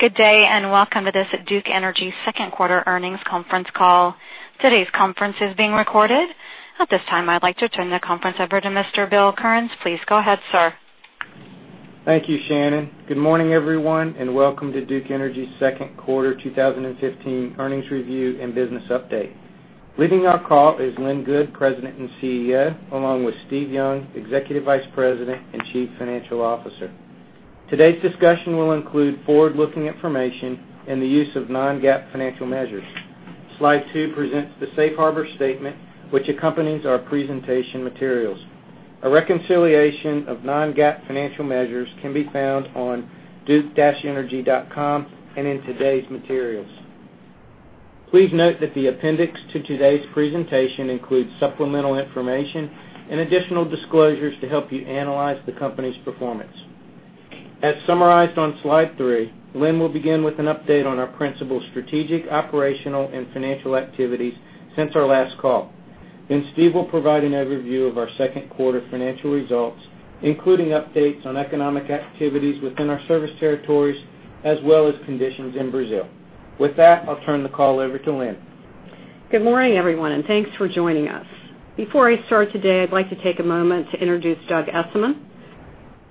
Good day, welcome to this Duke Energy second quarter earnings conference call. Today's conference is being recorded. At this time, I'd like to turn the conference over to Mr. Bill Kearns. Please go ahead, sir. Thank you, Shannon. Good morning, everyone, welcome to Duke Energy's second quarter 2015 earnings review and business update. Leading our call is Lynn Good, President and CEO, along with Steve Young, Executive Vice President and Chief Financial Officer. Today's discussion will include forward-looking information and the use of non-GAAP financial measures. Slide two presents the safe harbor statement, which accompanies our presentation materials. A reconciliation of non-GAAP financial measures can be found on duke-energy.com and in today's materials. Please note that the appendix to today's presentation includes supplemental information and additional disclosures to help you analyze the company's performance. As summarized on slide three, Lynn will begin with an update on our principal strategic, operational, and financial activities since our last call. Steve will provide an overview of our second quarter financial results, including updates on economic activities within our service territories, as well as conditions in Brazil. With that, I'll turn the call over to Lynn. Good morning, everyone, thanks for joining us. Before I start today, I'd like to take a moment to introduce Doug Esamann.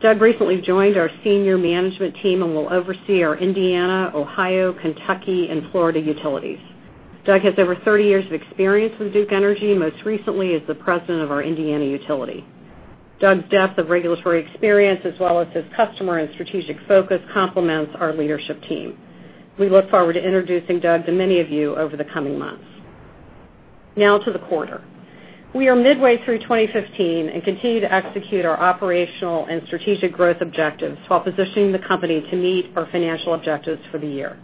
Doug recently joined our senior management team and will oversee our Indiana, Ohio, Kentucky, and Florida utilities. Doug has over 30 years of experience with Duke Energy, most recently as the president of our Indiana utility. Doug's depth of regulatory experience, as well as his customer and strategic focus, complements our leadership team. We look forward to introducing Doug to many of you over the coming months. Now to the quarter. We are midway through 2015 and continue to execute our operational and strategic growth objectives while positioning the company to meet our financial objectives for the year.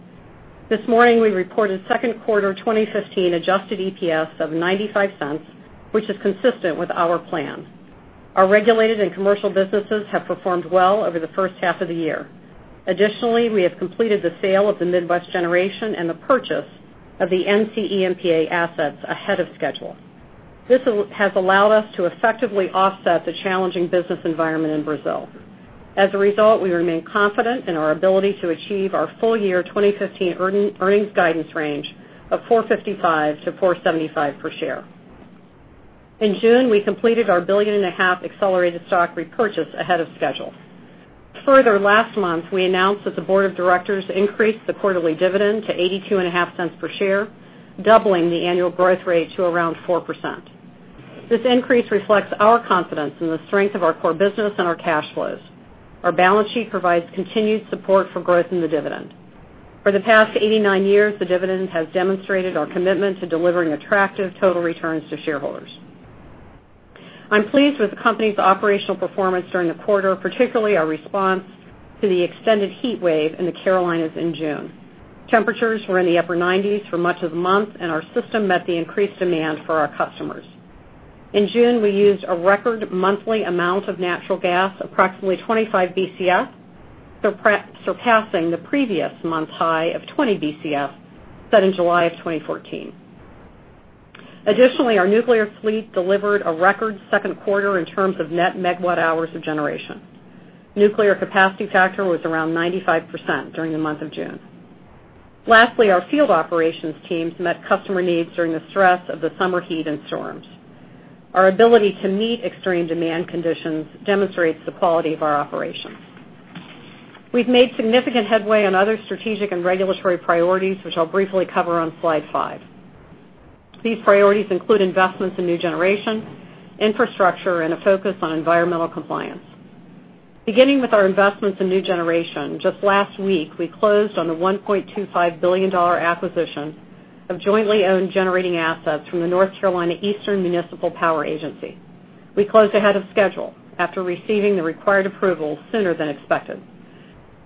This morning, we reported second quarter 2015 adjusted EPS of $0.95, which is consistent with our plan. Our regulated and commercial businesses have performed well over the first half of the year. Additionally, we have completed the sale of the Midwest Generation and the purchase of the NCEMPA assets ahead of schedule. This has allowed us to effectively offset the challenging business environment in Brazil. As a result, we remain confident in our ability to achieve our full year 2015 earnings guidance range of $4.55-$4.75 per share. In June, we completed our billion and a half accelerated stock repurchase ahead of schedule. Last month, we announced that the board of directors increased the quarterly dividend to $0.825 per share, doubling the annual growth rate to around 4%. This increase reflects our confidence in the strength of our core business and our cash flows. Our balance sheet provides continued support for growth in the dividend. For the past 89 years, the dividend has demonstrated our commitment to delivering attractive total returns to shareholders. I'm pleased with the company's operational performance during the quarter, particularly our response to the extended heat wave in the Carolinas in June. Temperatures were in the upper 90s for much of the month, and our system met the increased demand for our customers. In June, we used a record monthly amount of natural gas, approximately 25 BCF, surpassing the previous month's high of 20 BCF, set in July of 2014. Additionally, our nuclear fleet delivered a record second quarter in terms of net megawatt hours of generation. Nuclear capacity factor was around 95% during the month of June. Lastly, our field operations teams met customer needs during the stress of the summer heat and storms. Our ability to meet extreme demand conditions demonstrates the quality of our operations. We've made significant headway on other strategic and regulatory priorities, which I'll briefly cover on slide five. These priorities include investments in new generation, infrastructure, and a focus on environmental compliance. Beginning with our investments in new generation, just last week, we closed on the $1.25 billion acquisition of jointly owned generating assets from the North Carolina Eastern Municipal Power Agency. We closed ahead of schedule after receiving the required approval sooner than expected.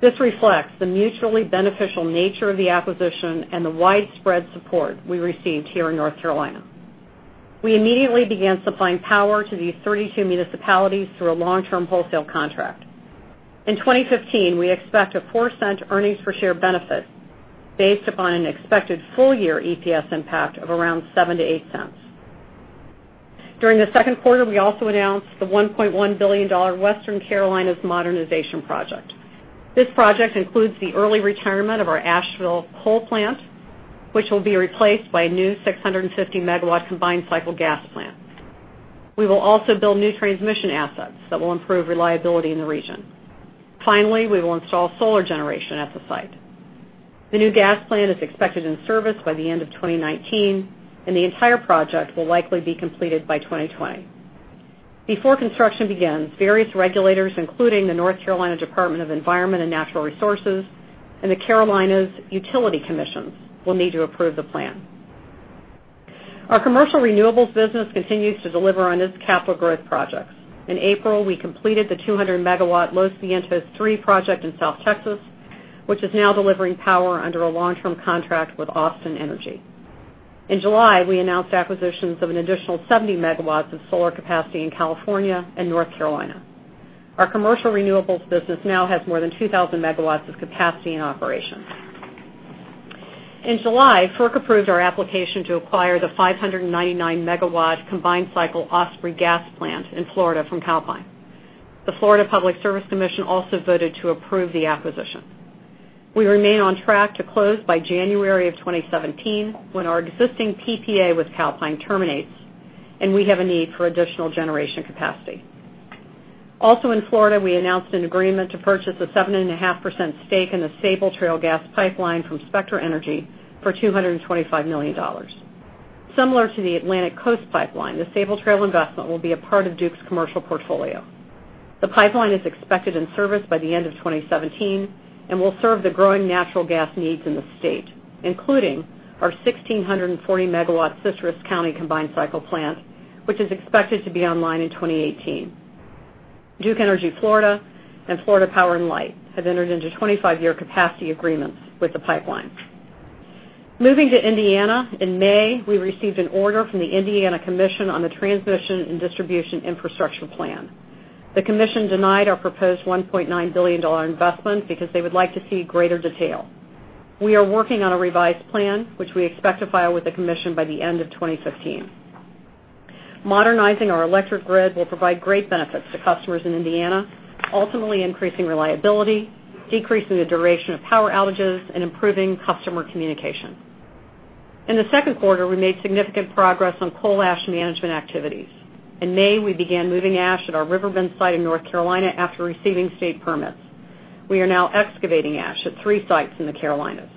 This reflects the mutually beneficial nature of the acquisition and the widespread support we received here in North Carolina. We immediately began supplying power to these 32 municipalities through a long-term wholesale contract. In 2015, we expect a $0.04 earnings per share benefit based upon an expected full-year EPS impact of around $0.07-$0.08. During the second quarter, we also announced the $1.1 billion Western Carolinas modernization project. This project includes the early retirement of our Asheville coal plant, which will be replaced by a new 650-megawatt combined cycle gas plant. We will also build new transmission assets that will improve reliability in the region. Finally, we will install solar generation at the site. The new gas plant is expected in service by the end of 2019, and the entire project will likely be completed by 2020. Before construction begins, various regulators, including the North Carolina Department of Environment and Natural Resources and the Carolinas Utility Commissions, will need to approve the plan. Our commercial renewables business continues to deliver on its capital growth projects. In April, we completed the 200-megawatt Los Vientos III project in South Texas, which is now delivering power under a long-term contract with Austin Energy. In July, we announced acquisitions of an additional 70 megawatts of solar capacity in California and North Carolina. Our commercial renewables business now has more than 2,000 megawatts of capacity in operation. In July, FERC approved our application to acquire the 599-megawatt combined cycle Osprey gas plant in Florida from Calpine. The Florida Public Service Commission also voted to approve the acquisition. We remain on track to close by January of 2017, when our existing PPA with Calpine terminates and we have a need for additional generation capacity. Also in Florida, we announced an agreement to purchase a 7.5% stake in the Sabal Trail gas pipeline from Spectra Energy for $225 million. Similar to the Atlantic Coast Pipeline, the Sabal Trail investment will be a part of Duke's commercial portfolio. The pipeline is expected in service by the end of 2017 and will serve the growing natural gas needs in the state, including our 1,640-megawatt Citrus County Combined Cycle plant, which is expected to be online in 2018. Duke Energy Florida and Florida Power & Light have entered into 25-year capacity agreements with the pipeline. Moving to Indiana, in May, we received an order from the Indiana Commission on the Transmission and Distribution Infrastructure Plan. The commission denied our proposed $1.9 billion investment because they would like to see greater detail. We are working on a revised plan, which we expect to file with the commission by the end of 2015. Modernizing our electric grid will provide great benefits to customers in Indiana, ultimately increasing reliability, decreasing the duration of power outages, and improving customer communication. In the second quarter, we made significant progress on coal ash management activities. In May, we began moving ash at our Riverbend site in North Carolina after receiving state permits. We are now excavating ash at three sites in the Carolinas.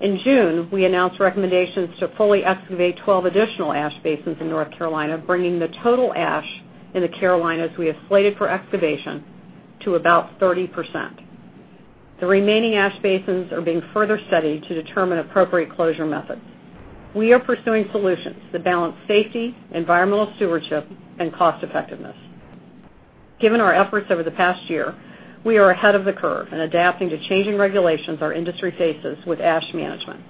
In June, we announced recommendations to fully excavate 12 additional ash basins in North Carolina, bringing the total ash in the Carolinas we have slated for excavation to about 30%. The remaining ash basins are being further studied to determine appropriate closure methods. We are pursuing solutions that balance safety, environmental stewardship, and cost effectiveness. Given our efforts over the past year, we are ahead of the curve in adapting to changing regulations our industry faces with ash management.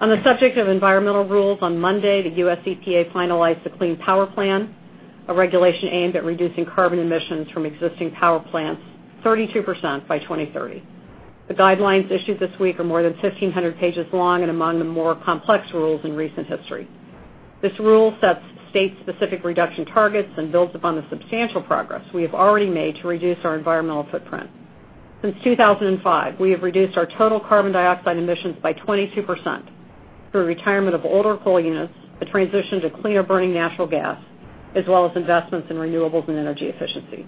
On the subject of environmental rules, on Monday, the USEPA finalized the Clean Power Plan, a regulation aimed at reducing carbon emissions from existing power plants 32% by 2030. The guidelines issued this week are more than 1,500 pages long and among the more complex rules in recent history. This rule sets state-specific reduction targets and builds upon the substantial progress we have already made to reduce our environmental footprint. Since 2005, we have reduced our total carbon dioxide emissions by 22% through retirement of older coal units, the transition to cleaner-burning natural gas, as well as investments in renewables and energy efficiency.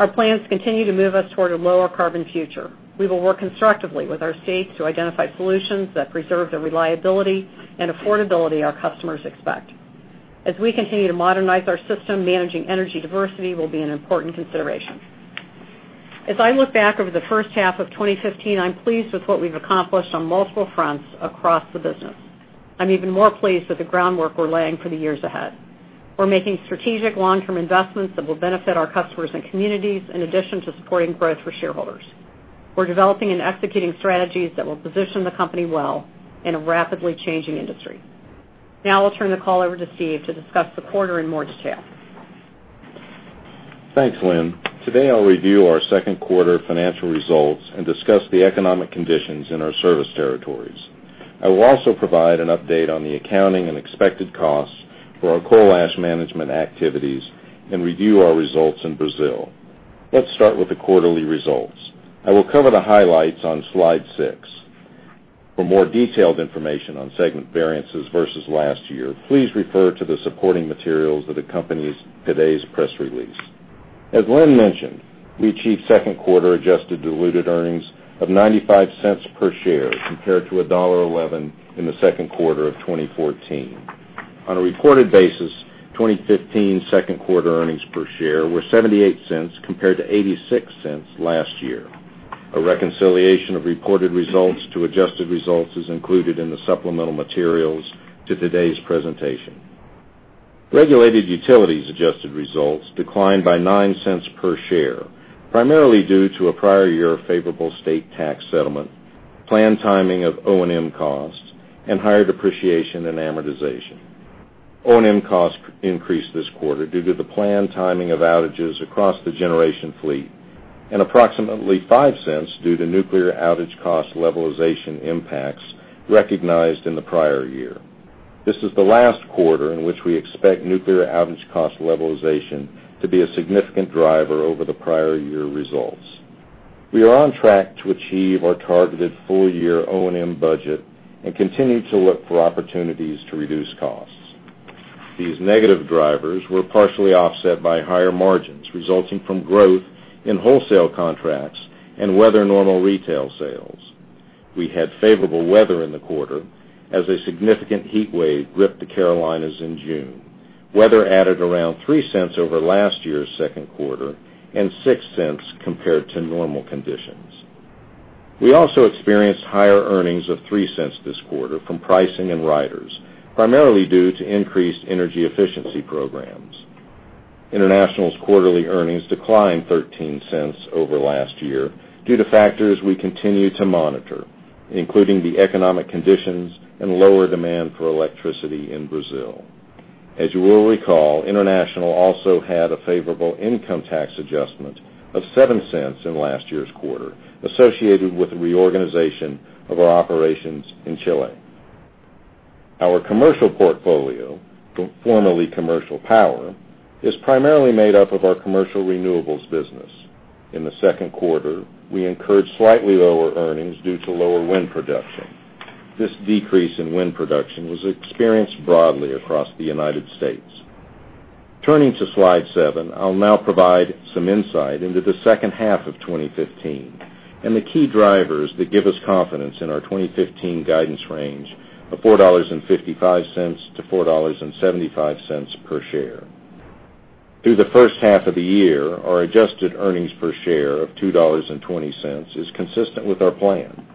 Our plans continue to move us toward a lower carbon future. We will work constructively with our states to identify solutions that preserve the reliability and affordability our customers expect. As we continue to modernize our system, managing energy diversity will be an important consideration. As I look back over the first half of 2015, I'm pleased with what we've accomplished on multiple fronts across the business. I'm even more pleased with the groundwork we're laying for the years ahead. We're making strategic long-term investments that will benefit our customers and communities, in addition to supporting growth for shareholders. We're developing and executing strategies that will position the company well in a rapidly changing industry. Now I'll turn the call over to Steve to discuss the quarter in more detail. Thanks, Lynn. Today, I'll review our second quarter financial results and discuss the economic conditions in our service territories. I will also provide an update on the accounting and expected costs for our coal ash management activities and review our results in Brazil. Let's start with the quarterly results. I will cover the highlights on slide six. For more detailed information on segment variances versus last year, please refer to the supporting materials that accompanies today's press release. As Lynn mentioned, we achieved second quarter adjusted diluted earnings of $0.95 per share compared to $1.11 in the second quarter of 2014. On a reported basis, 2015 second quarter earnings per share were $0.78 compared to $0.86 last year. A reconciliation of reported results to adjusted results is included in the supplemental materials to today's presentation. Regulated utilities adjusted results declined by $0.09 per share, primarily due to a prior year favorable state tax settlement, planned timing of O&M costs, and higher depreciation and amortization. O&M costs increased this quarter due to the planned timing of outages across the generation fleet and approximately $0.05 due to nuclear outage cost levelization impacts recognized in the prior year. This is the last quarter in which we expect nuclear outage cost levelization to be a significant driver over the prior year results. We are on track to achieve our targeted full-year O&M budget and continue to look for opportunities to reduce costs. These negative drivers were partially offset by higher margins resulting from growth in wholesale contracts and weather-normal retail sales. We had favorable weather in the quarter as a significant heatwave gripped the Carolinas in June. Weather added around $0.03 over last year's second quarter and $0.06 compared to normal conditions. We also experienced higher earnings of $0.03 this quarter from pricing and riders, primarily due to increased energy efficiency programs. International's quarterly earnings declined $0.13 over last year due to factors we continue to monitor, including the economic conditions and lower demand for electricity in Brazil. As you will recall, International also had a favorable income tax adjustment of $0.07 in last year's quarter associated with the reorganization of our operations in Chile. Our commercial portfolio, formerly Commercial Power, is primarily made up of our commercial renewables business. In the second quarter, we incurred slightly lower earnings due to lower wind production. This decrease in wind production was experienced broadly across the U.S. Turning to slide seven, I'll now provide some insight into the second half of 2015 and the key drivers that give us confidence in our 2015 guidance range of $4.55 to $4.75 per share. Through the first half of the year, our adjusted earnings per share of $2.20 is consistent with our plan.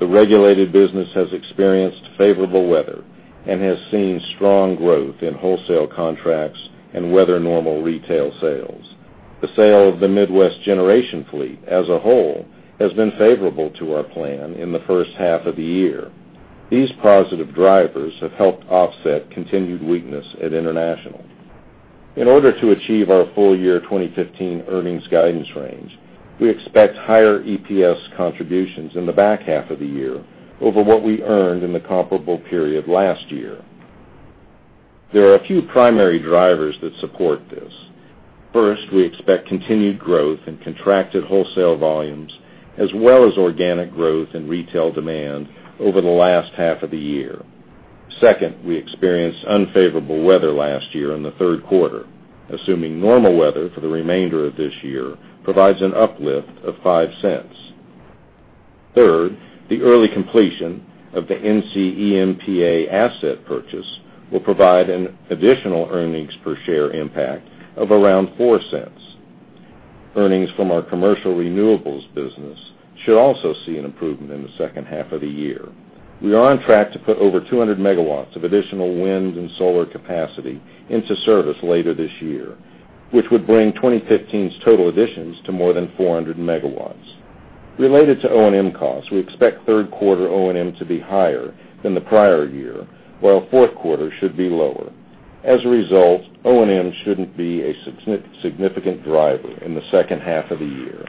The regulated business has experienced favorable weather and has seen strong growth in wholesale contracts and weather normal retail sales. The sale of the Midwest Generation fleet as a whole has been favorable to our plan in the first half of the year. These positive drivers have helped offset continued weakness at International. In order to achieve our full year 2015 earnings guidance range, we expect higher EPS contributions in the back half of the year over what we earned in the comparable period last year. There are a few primary drivers that support this. We expect continued growth in contracted wholesale volumes, as well as organic growth in retail demand over the last half of the year. We experienced unfavorable weather last year in the third quarter. Assuming normal weather for the remainder of this year provides an uplift of $0.05. The early completion of the NCEMPA asset purchase will provide an additional earnings per share impact of around $0.04. Earnings from our commercial renewables business should also see an improvement in the second half of the year. We are on track to put over 200 megawatts of additional wind and solar capacity into service later this year, which would bring 2015's total additions to more than 400 megawatts. Related to O&M costs, we expect third quarter O&M to be higher than the prior year, while fourth quarter should be lower. O&M shouldn't be a significant driver in the second half of the year.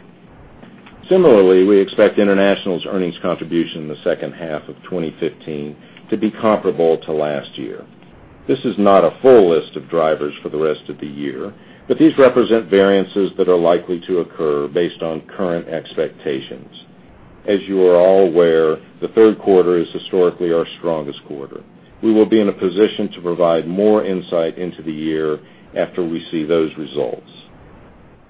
Similarly, we expect International's earnings contribution in the second half of 2015 to be comparable to last year. This is not a full list of drivers for the rest of the year, but these represent variances that are likely to occur based on current expectations. The third quarter is historically our strongest quarter. We will be in a position to provide more insight into the year after we see those results.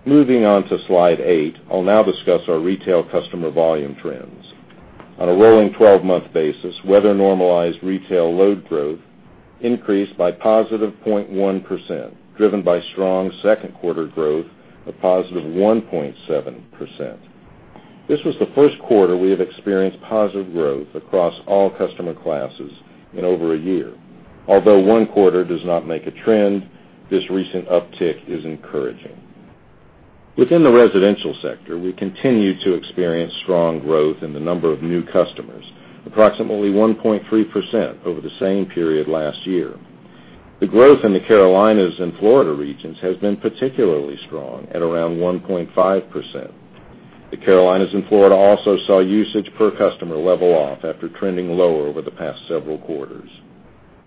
Moving on to slide eight, I'll now discuss our retail customer volume trends. On a rolling 12-month basis, weather normalized retail load growth increased by positive 0.1%, driven by strong second quarter growth of positive 1.7%. This was the first quarter we have experienced positive growth across all customer classes in over a year. One quarter does not make a trend, this recent uptick is encouraging. Within the residential sector, we continue to experience strong growth in the number of new customers, approximately 1.3% over the same period last year. The growth in the Carolinas and Florida regions has been particularly strong at around 1.5%. The Carolinas and Florida also saw usage per customer level off after trending lower over the past several quarters.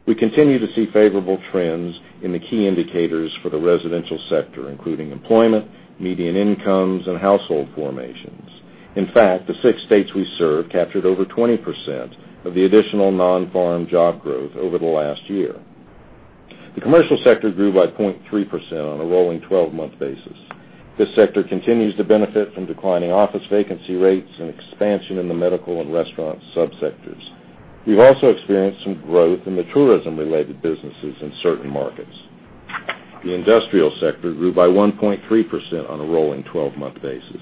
We continue to see favorable trends in the key indicators for the residential sector, including employment, median incomes, and household formations. In fact, the six states we serve captured over 20% of the additional non-farm job growth over the last year. The commercial sector grew by 0.3% on a rolling 12-month basis. This sector continues to benefit from declining office vacancy rates and expansion in the medical and restaurant subsectors. We've also experienced some growth in the tourism-related businesses in certain markets. The industrial sector grew by 1.3% on a rolling 12-month basis.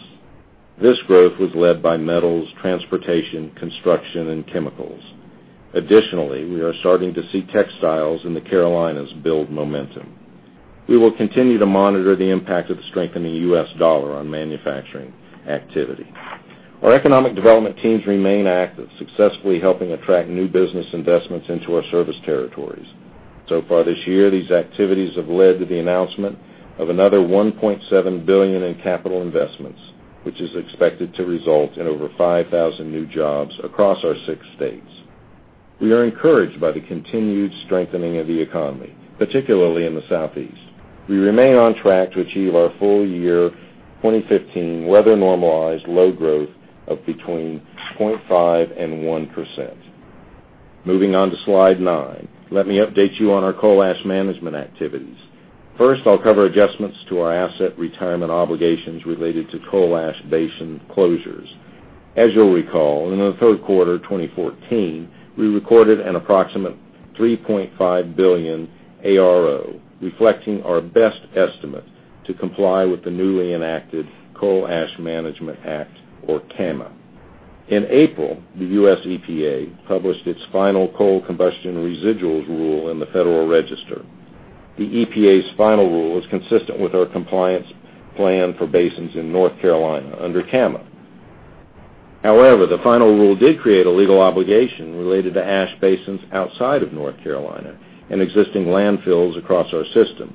This growth was led by metals, transportation, construction, and chemicals. Additionally, we are starting to see textiles in the Carolinas build momentum. We will continue to monitor the impact of the strengthening of the U.S. dollar on manufacturing activity. Our economic development teams remain active, successfully helping attract new business investments into our service territories. So far this year, these activities have led to the announcement of another $1.7 billion in capital investments, which is expected to result in over 5,000 new jobs across our six states. We are encouraged by the continued strengthening of the economy, particularly in the Southeast. We remain on track to achieve our full year 2015 weather normalized load growth of between 0.5% and 1%. Moving on to slide nine, let me update you on our coal ash management activities. First, I'll cover adjustments to our asset retirement obligations related to coal ash basin closures. As you'll recall, in the third quarter of 2014, we recorded an approximate $3.5 billion ARO, reflecting our best estimate to comply with the newly enacted Coal Ash Management Act, or CAMA. In April, the U.S. EPA published its final Coal Combustion Residuals rule in the Federal Register. The EPA's final rule is consistent with our compliance plan for basins in North Carolina under CAMA. However, the final rule did create a legal obligation related to ash basins outside of North Carolina and existing landfills across our system.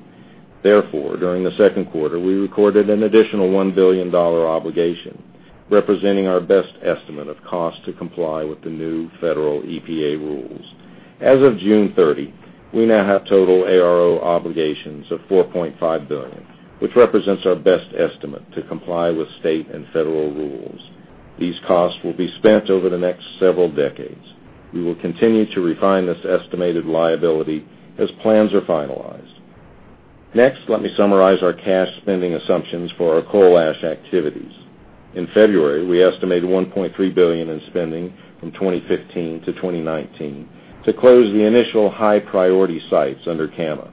Therefore, during the second quarter, we recorded an additional $1 billion obligation, representing our best estimate of cost to comply with the new federal EPA rules. As of June 30, we now have total ARO obligations of $4.5 billion, which represents our best estimate to comply with state and federal rules. These costs will be spent over the next several decades. We will continue to refine this estimated liability as plans are finalized. Next, let me summarize our cash spending assumptions for our coal ash activities. In February, we estimated $1.3 billion in spending from 2015 to 2019 to close the initial high-priority sites under CAMA.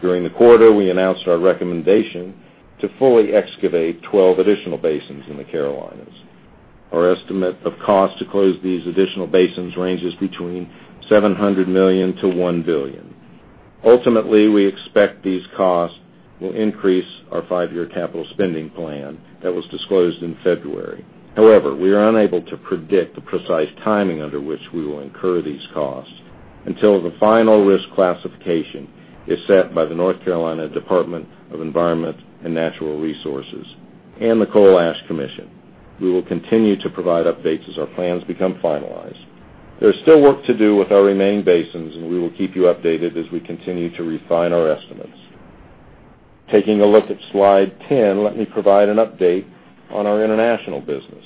During the quarter, we announced our recommendation to fully excavate 12 additional basins in the Carolinas. Our estimate of cost to close these additional basins ranges between $700 million to $1 billion. Ultimately, we expect these costs will increase our five-year capital spending plan that was disclosed in February. However, we are unable to predict the precise timing under which we will incur these costs until the final risk classification is set by the North Carolina Department of Environment and Natural Resources and the Coal Ash Commission. We will continue to provide updates as our plans become finalized. There is still work to do with our remaining basins, and we will keep you updated as we continue to refine our estimates. Taking a look at slide 10, let me provide an update on our international business.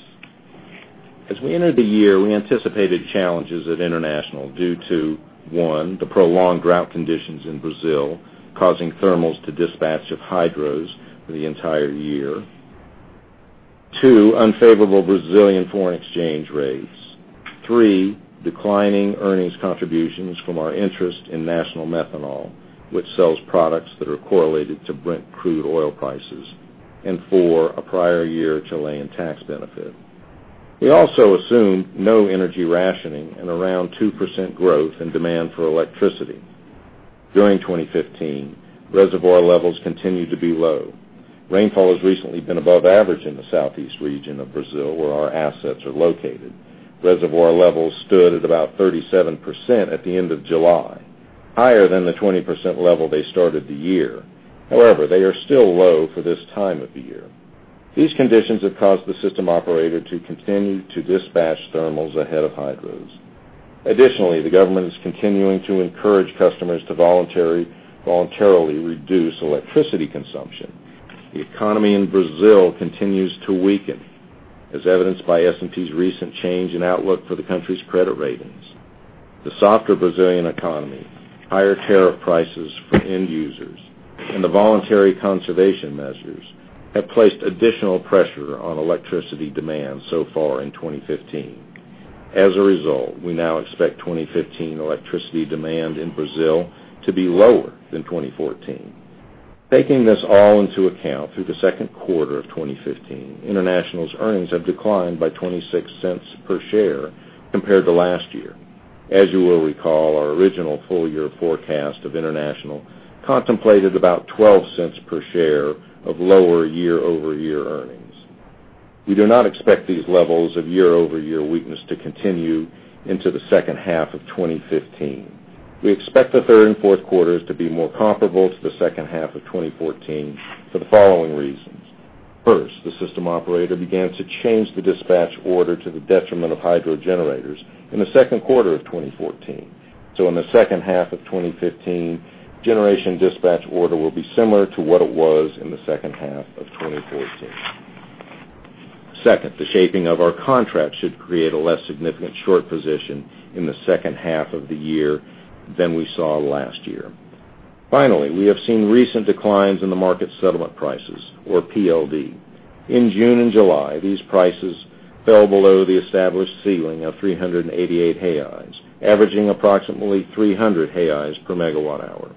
As we entered the year, we anticipated challenges at international due to, one, the prolonged drought conditions in Brazil, causing thermals to dispatch of hydros for the entire year. Two, unfavorable Brazilian foreign exchange rates. Three, declining earnings contributions from our interest in National Methanol, which sells products that are correlated to Brent crude oil prices. Four, a prior year Chilean tax benefit. We also assumed no energy rationing and around 2% growth in demand for electricity. During 2015, reservoir levels continued to be low. Rainfall has recently been above average in the southeast region of Brazil, where our assets are located. Reservoir levels stood at about 37% at the end of July, higher than the 20% level they started the year. However, they are still low for this time of the year. These conditions have caused the system operator to continue to dispatch thermals ahead of hydros. Additionally, the government is continuing to encourage customers to voluntarily reduce electricity consumption. The economy in Brazil continues to weaken, as evidenced by S&P's recent change in outlook for the country's credit ratings. The softer Brazilian economy, higher tariff prices for end users, and the voluntary conservation measures have placed additional pressure on electricity demand so far in 2015. As a result, we now expect 2015 electricity demand in Brazil to be lower than 2014. Taking this all into account, through the second quarter of 2015, international's earnings have declined by $0.26 per share compared to last year. As you will recall, our original full-year forecast of international contemplated about $0.12 per share of lower year-over-year earnings. We do not expect these levels of year-over-year weakness to continue into the second half of 2015. We expect the third and fourth quarters to be more comparable to the second half of 2014 for the following reasons. First, the system operator began to change the dispatch order to the detriment of hydro generators in the second quarter of 2014. In the second half of 2015, generation dispatch order will be similar to what it was in the second half of 2014. Second, the shaping of our contract should create a less significant short position in the second half of the year than we saw last year. Finally, we have seen recent declines in the market settlement prices or PLD. In June and July, these prices fell below the established ceiling of 388, averaging approximately 300 per megawatt hour.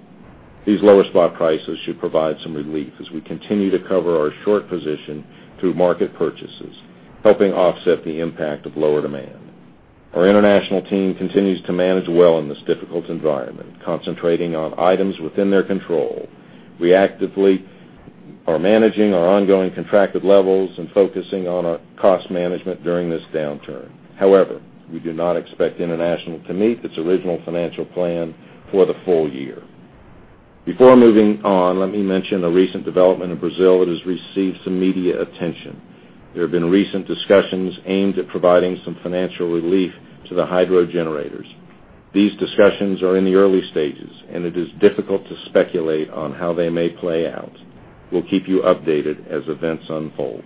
These lower spot prices should provide some relief as we continue to cover our short position through market purchases, helping offset the impact of lower demand. Our international team continues to manage well in this difficult environment, concentrating on items within their control. We actively are managing our ongoing contracted levels and focusing on our cost management during this downturn. We do not expect international to meet its original financial plan for the full year. Before moving on, let me mention a recent development in Brazil that has received some media attention. There have been recent discussions aimed at providing some financial relief to the hydro generators. These discussions are in the early stages, and it is difficult to speculate on how they may play out. We'll keep you updated as events unfold.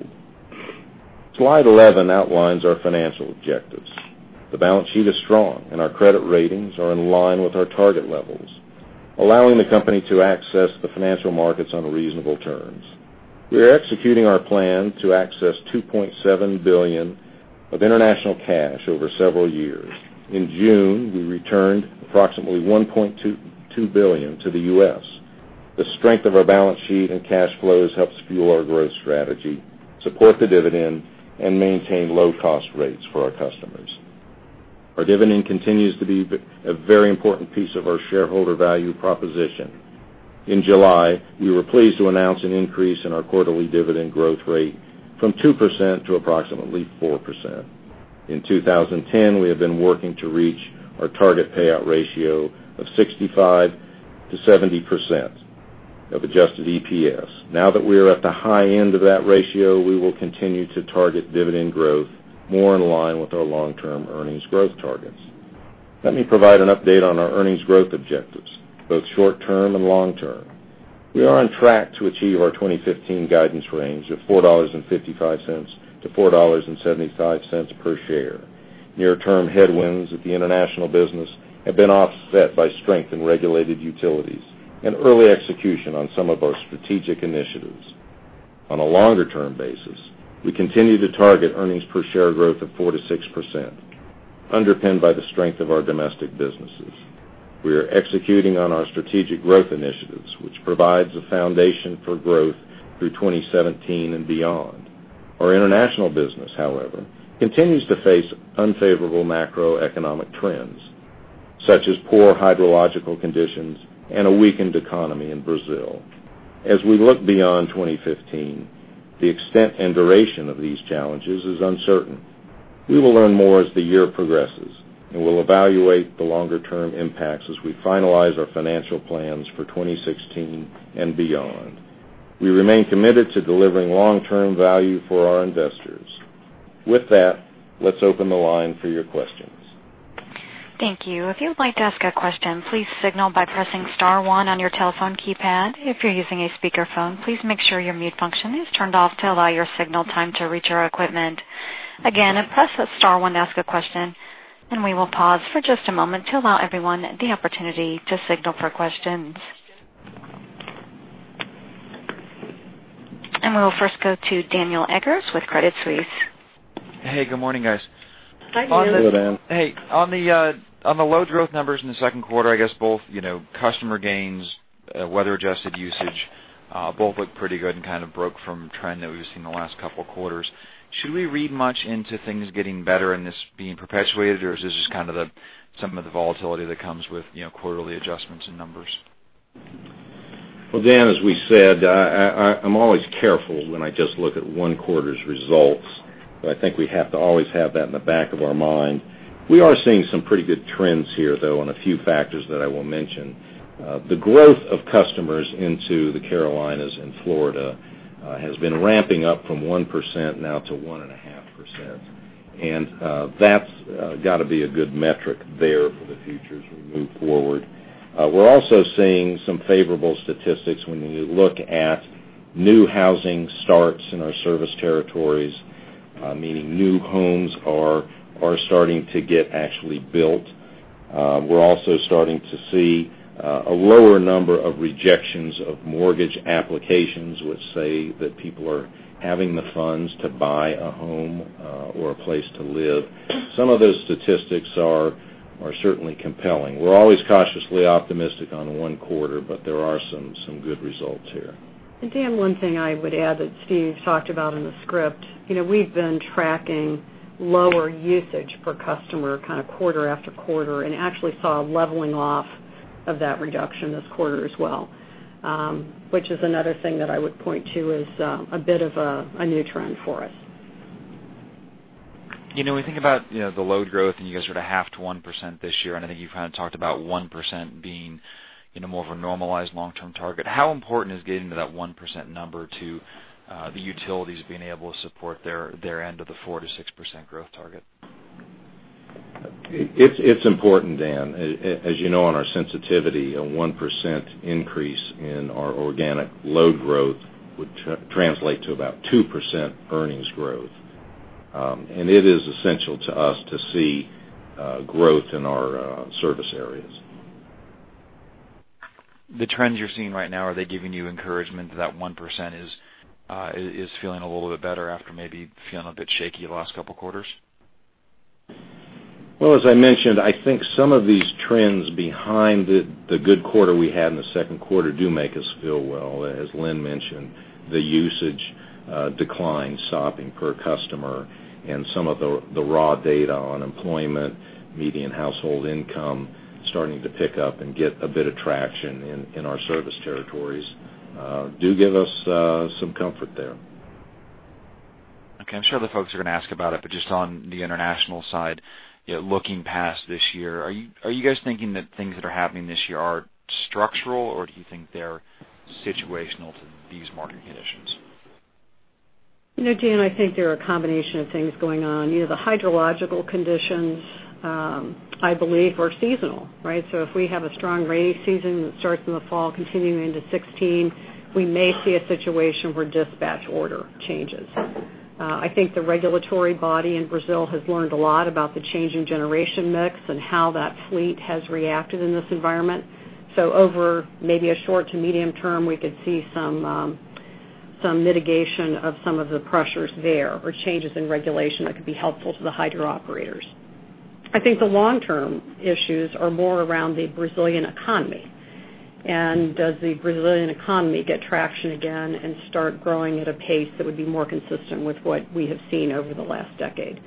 Slide 11 outlines our financial objectives. The balance sheet is strong, and our credit ratings are in line with our target levels, allowing the company to access the financial markets on reasonable terms. We are executing our plan to access $2.7 billion of international cash over several years. In June, we returned approximately $1.2 billion to the U.S. The strength of our balance sheet and cash flows helps fuel our growth strategy, support the dividend, and maintain low-cost rates for our customers. Our dividend continues to be a very important piece of our shareholder value proposition. In July, we were pleased to announce an increase in our quarterly dividend growth rate from 2% to approximately 4%. In 2010, we have been working to reach our target payout ratio of 65%-70% of adjusted EPS. Now that we are at the high end of that ratio, we will continue to target dividend growth more in line with our long-term earnings growth targets. Let me provide an update on our earnings growth objectives, both short-term and long-term. We are on track to achieve our 2015 guidance range of $4.55-$4.75 per share. Near-term headwinds at the international business have been offset by strength in regulated utilities and early execution on some of our strategic initiatives. On a longer-term basis, we continue to target earnings per share growth of 4%-6%, underpinned by the strength of our domestic businesses. Our international business, however, continues to face unfavorable macroeconomic trends, such as poor hydrological conditions and a weakened economy in Brazil. As we look beyond 2015, the extent and duration of these challenges is uncertain. We will learn more as the year progresses, we'll evaluate the longer-term impacts as we finalize our financial plans for 2016 and beyond. We remain committed to delivering long-term value for our investors. With that, let's open the line for your questions. Thank you. If you would like to ask a question, please signal by pressing star one on your telephone keypad. If you're using a speakerphone, please make sure your mute function is turned off to allow your signal time to reach our equipment. Again, press star one to ask a question, we will pause for just a moment to allow everyone the opportunity to signal for questions. We will first go to Daniel Eggers with Credit Suisse. Hey, good morning, guys. Hi, Daniel. Hey, on the load growth numbers in the second quarter, I guess both customer gains, weather-adjusted usage, both looked pretty good and broke from trend that we've seen the last couple of quarters. Should we read much into things getting better and this being perpetuated, or is this just some of the volatility that comes with quarterly adjustments in numbers? Well, Dan, as we said, I'm always careful when I just look at one quarter's results. I think we have to always have that in the back of our mind. We are seeing some pretty good trends here, though, on a few factors that I will mention. The growth of customers into the Carolinas and Florida has been ramping up from 1% now to 1.5%, and that's got to be a good metric there for the future as we move forward. We're also seeing some favorable statistics when we look at new housing starts in our service territories, meaning new homes are starting to get actually built. We're also starting to see a lower number of rejections of mortgage applications, which say that people are having the funds to buy a home or a place to live. Some of those statistics are certainly compelling. We're always cautiously optimistic on one quarter. There are some good results here. Dan, one thing I would add that Steve talked about in the script. We've been tracking lower usage per customer quarter after quarter and actually saw a leveling off of that reduction this quarter as well, which is another thing that I would point to as a bit of a new trend for us. When you think about the load growth, you guys are at 0.5%-1% this year, I think you've talked about 1% being more of a normalized long-term target. How important is getting to that 1% number to the utilities being able to support their end of the 4%-6% growth target? It's important, Dan. As you know, on our sensitivity, a 1% increase in our organic load growth would translate to about 2% earnings growth. It is essential to us to see growth in our service areas. The trends you're seeing right now, are they giving you encouragement that 1% is feeling a little bit better after maybe feeling a bit shaky the last couple of quarters? Well, as I mentioned, I think some of these trends behind the good quarter we had in the second quarter do make us feel well. As Lynn mentioned, the usage decline stopping per customer and some of the raw data on employment, median household income starting to pick up and get a bit of traction in our service territories do give us some comfort there. Okay. I'm sure the folks are going to ask about it, but just on the international side, looking past this year, are you guys thinking that things that are happening this year are structural, or do you think they're situational to these market conditions? Dan, I think there are a combination of things going on. The hydrological conditions, I believe, are seasonal, right? If we have a strong rainy season that starts in the fall continuing into 2016, we may see a situation where dispatch order changes. I think the regulatory body in Brazil has learned a lot about the changing generation mix and how that fleet has reacted in this environment. Over maybe a short to medium-term, we could see some mitigation of some of the pressures there or changes in regulation that could be helpful to the hydro operators. I think the long-term issues are more around the Brazilian economy. Does the Brazilian economy get traction again and start growing at a pace that would be more consistent with what we have seen over the last decade?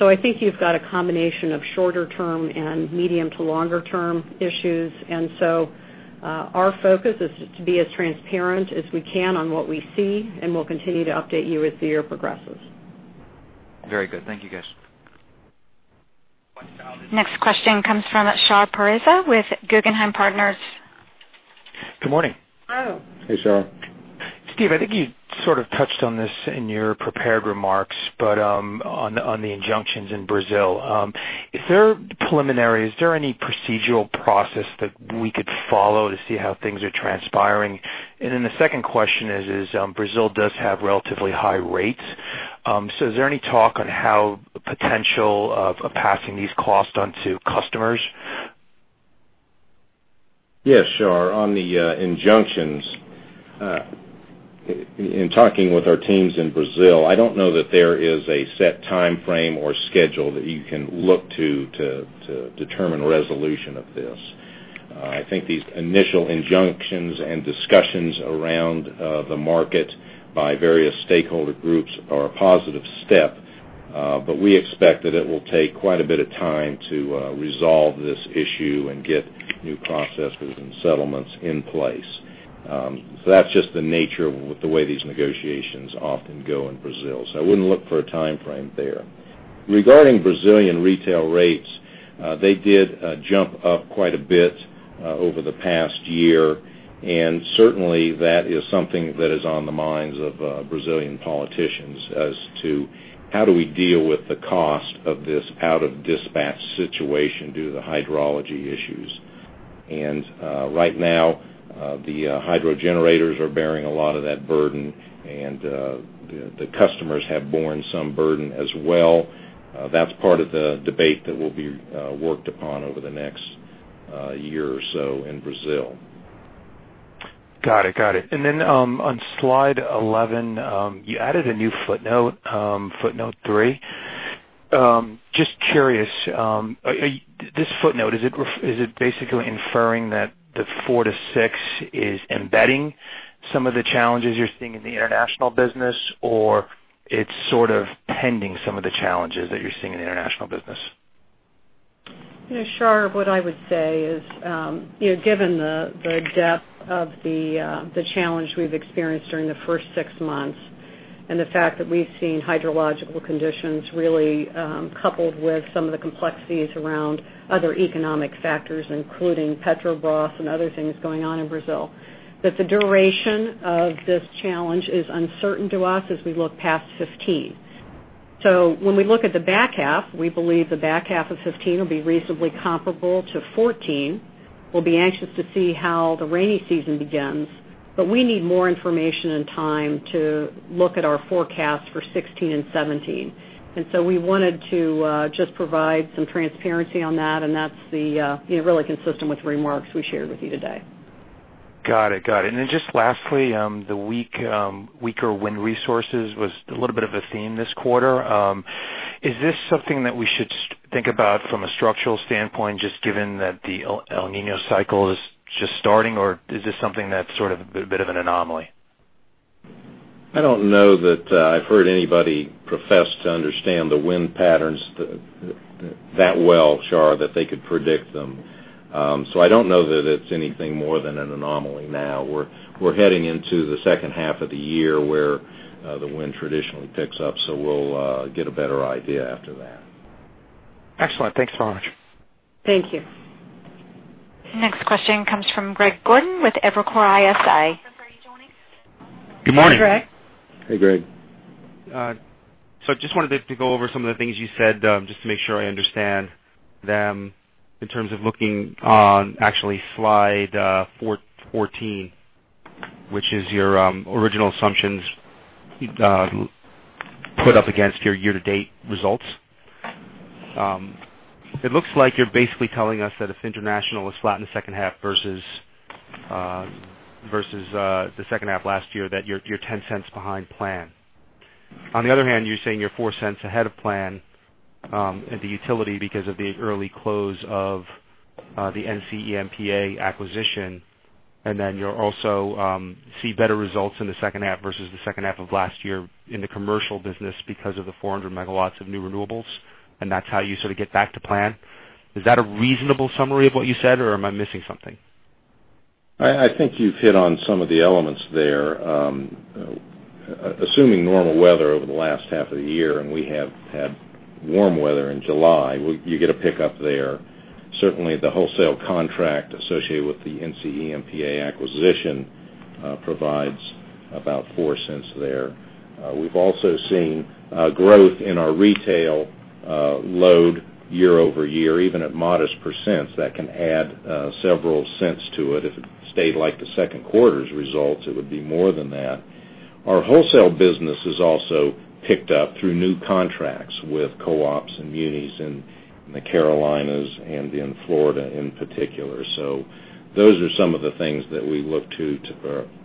I think you've got a combination of shorter term and medium to longer term issues. Our focus is to be as transparent as we can on what we see, and we'll continue to update you as the year progresses. Very good. Thank you, guys. Next question comes from Shar Pourreza with Guggenheim Partners. Good morning. Hello. Hey, Shar. Steve, I think you sort of touched on this in your prepared remarks, on the injunctions in Brazil. Is there preliminaries? Is there any procedural process that we could follow to see how things are transpiring? The second question is, Brazil does have relatively high rates. Is there any talk on how potential of passing these costs on to customers? Yes, Shar. On the injunctions, in talking with our teams in Brazil, I don't know that there is a set timeframe or schedule that you can look to to determine resolution of this. I think these initial injunctions and discussions around the market by various stakeholder groups are a positive step, we expect that it will take quite a bit of time to resolve this issue and get new processes and settlements in place. That's just the nature with the way these negotiations often go in Brazil. I wouldn't look for a timeframe there. Regarding Brazilian retail rates, they did jump up quite a bit over the past year, and certainly that is something that is on the minds of Brazilian politicians as to how do we deal with the cost of this out-of-dispatch situation due to the hydrology issues. Right now, the hydro generators are bearing a lot of that burden and the customers have borne some burden as well. That's part of the debate that will be worked upon over the next year or so in Brazil. Got it. On slide 11, you added a new footnote three. Just curious, this footnote, is it basically inferring that the four to six is embedding some of the challenges you're seeing in the international business, or it's sort of pending some of the challenges that you're seeing in the international business? Shar, what I would say is, given the depth of the challenge we've experienced during the first six months, and the fact that we've seen hydrological conditions really coupled with some of the complexities around other economic factors, including Petrobras and other things going on in Brazil, that the duration of this challenge is uncertain to us as we look past 2015. When we look at the back half, we believe the back half of 2015 will be reasonably comparable to 2014. We'll be anxious to see how the rainy season begins, but we need more information and time to look at our forecast for 2016 and 2017. We wanted to just provide some transparency on that, and that's really consistent with the remarks we shared with you today. Got it. Just lastly, the weaker wind resources was a little bit of a theme this quarter. Is this something that we should think about from a structural standpoint, just given that the El Niño cycle is just starting, or is this something that's sort of a bit of an anomaly? I don't know that I've heard anybody profess to understand the wind patterns that well, Shar, that they could predict them. I don't know that it's anything more than an anomaly now. We're heading into the second half of the year where the wind traditionally picks up, so we'll get a better idea after that. Excellent. Thanks so much. Thank you. Next question comes from Greg Gordon with Evercore ISI. Good morning. Hey, Greg. Hey, Greg. I just wanted to go over some of the things you said just to make sure I understand them in terms of looking on actually slide 14, which is your original assumptions put up against your year-to-date results. It looks like you're basically telling us that if international is flat in the second half versus the second half last year, that you're $0.10 behind plan. On the other hand, you're saying you're $0.04 ahead of plan at the utility because of the early close of the NCEMPA acquisition, then you'll also see better results in the second half versus the second half of last year in the commercial business because of the 400 megawatts of new renewables. That's how you sort of get back to plan. Is that a reasonable summary of what you said, or am I missing something? I think you've hit on some of the elements there. Assuming normal weather over the last half of the year, We have had warm weather in July, you get a pickup there. Certainly, the wholesale contract associated with the NCEMPA acquisition provides about $0.04 there. We've also seen growth in our retail load year-over-year, even at modest %. That can add several cents to it. If it stayed like the second quarter's results, it would be more than that. Our wholesale business has also picked up through new contracts with co-ops and munis in the Carolinas and in Florida in particular. Those are some of the things that we look to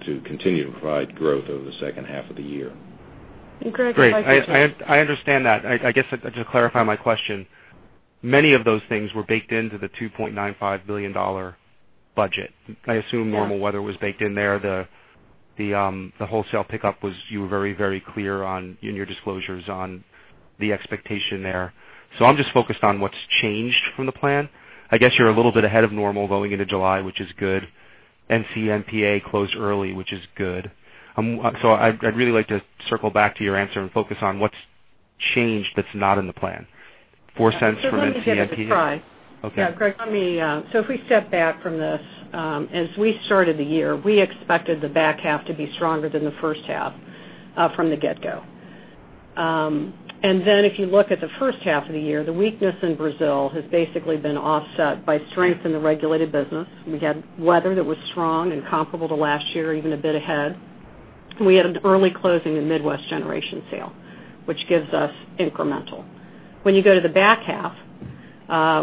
to continue to provide growth over the second half of the year. Great. I understand that. I guess, to clarify my question, many of those things were baked into the $2.95 billion budget. I assume normal weather was baked in there. The wholesale pickup was, you were very clear in your disclosures on the expectation there. I'm just focused on what's changed from the plan. I guess you're a little bit ahead of normal going into July, which is good. NCEMPA closed early, which is good. I'd really like to circle back to your answer and focus on what's changed that's not in the plan. $0.04 from NCEMPA Let me hit it at the top. Okay. Yeah, Greg. If we step back from this, as we started the year, we expected the back half to be stronger than the first half, from the get-go. If you look at the first half of the year, the weakness in Brazil has basically been offset by strength in the regulated business. We had weather that was strong and comparable to last year, even a bit ahead. We had an early closing in the Midwest Generation sale, which gives us incremental. When you go to the back half,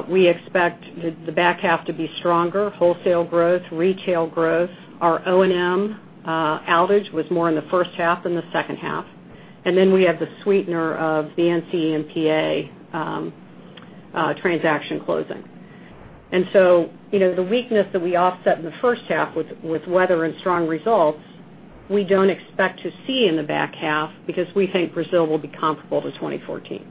we expect the back half to be stronger. Wholesale growth, retail growth. Our O&M outage was more in the first half than the second half. We have the sweetener of the NCEMPA transaction closing. The weakness that we offset in the first half with weather and strong results, we don't expect to see in the back half because we think Brazil will be comparable to 2014.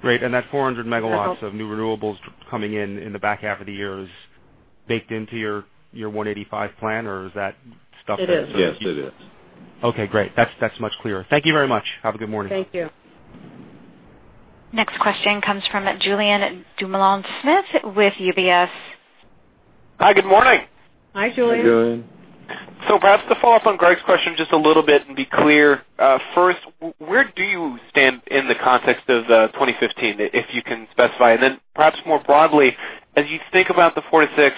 Great. That 400 megawatts of new renewables coming in the back half of the year is baked into your 185 plan or is that stuff? It is. Yes, it is. Okay, great. That's much clearer. Thank you very much. Have a good morning. Thank you. Next question comes from Julien Dumoulin-Smith with UBS. Hi, good morning. Hi, Julien. Hi, Julien. Perhaps to follow up on Greg's question just a little bit and be clear. First, where do you stand in the context of 2015, if you can specify? Then perhaps more broadly, as you think about the 4-6,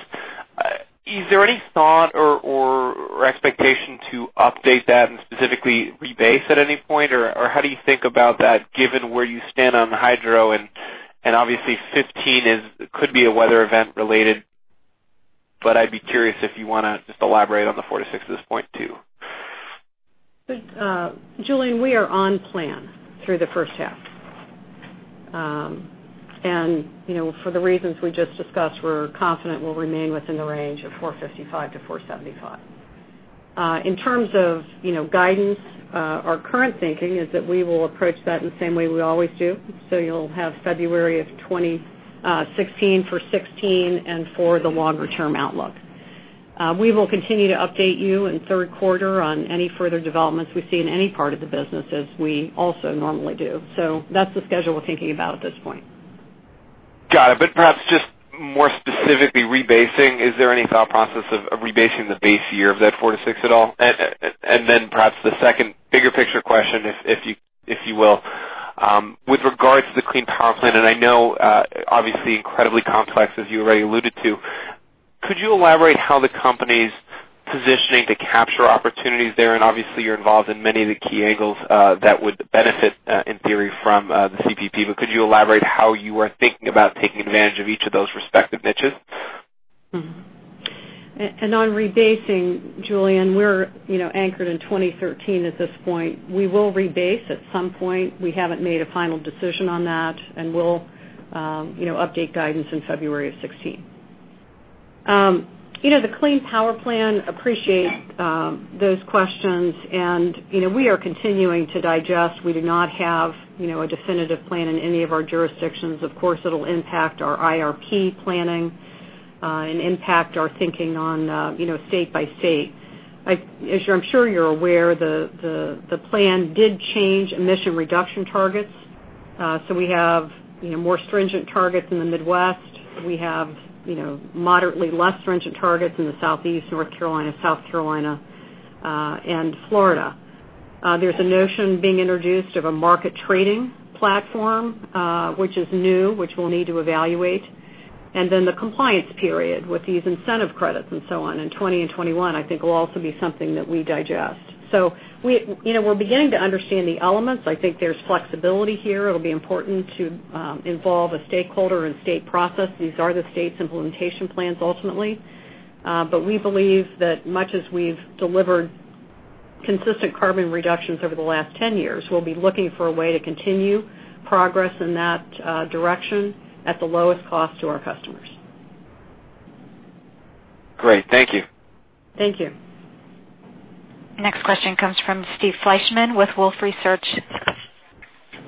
is there any thought or expectation to update that and specifically rebase at any point? Or how do you think about that given where you stand on the hydro and obviously 2015 could be a weather event related. I'd be curious if you want to just elaborate on the 4-6 at this point, too. Julien, we are on plan through the first half. For the reasons we just discussed, we're confident we'll remain within the range of $4.55-$4.75. In terms of guidance, our current thinking is that we will approach that in the same way we always do. You'll have February of 2016 for 2016 and for the longer-term outlook. We will continue to update you in the third quarter on any further developments we see in any part of the business as we also normally do. That's the schedule we're thinking about at this point. Got it. Perhaps just more specifically rebasing, is there any thought process of rebasing the base year of that 4-6 at all? Then perhaps the second bigger picture question, if you will. With regards to the Clean Power Plan, and I know obviously incredibly complex, as you already alluded to. Could you elaborate how the company's positioning to capture opportunities there? Obviously, you're involved in many of the key angles that would benefit, in theory, from the CPP. Could you elaborate how you are thinking about taking advantage of each of those respective niches? On rebasing, Julien, we're anchored in 2013 at this point. We will rebase at some point. We haven't made a final decision on that, we'll update guidance in February of 2016. The Clean Power Plan, appreciate those questions, we are continuing to digest. We do not have a definitive plan in any of our jurisdictions. Of course, it'll impact our IRP planning, impact our thinking on state by state. I'm sure you're aware, the plan did change emission reduction targets. We have more stringent targets in the Midwest. We have moderately less stringent targets in the Southeast, North Carolina, South Carolina, and Florida. There's a notion being introduced of a market trading platform, which is new, which we'll need to evaluate. The compliance period with these incentive credits and so on in 2020 and 2021, I think will also be something that we digest. We're beginning to understand the elements. I think there's flexibility here. It'll be important to involve a stakeholder in state process. These are the state's implementation plans ultimately. We believe that much as we've delivered consistent carbon reductions over the last 10 years, we'll be looking for a way to continue progress in that direction at the lowest cost to our customers. Great. Thank you. Thank you. Next question comes from Steve Fleishman with Wolfe Research.